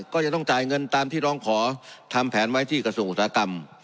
ก็จะต้องจ่ายเงินตามที่ร้องขอทำแผนไว้ที่กระทรวงอุตสาหกรรม